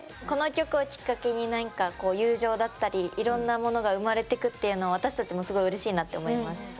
この曲をきっかけに友情だったりいろんなものが生まれてくっていうのは私たちもすごいうれしいなって思います！